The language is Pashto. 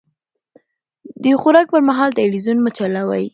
د خوراک پر مهال تلويزيون مه چلوئ.